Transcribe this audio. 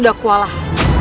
sudah ku alah